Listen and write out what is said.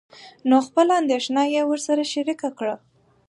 نو خپله اندېښنه يې ورسره شريکه کړه.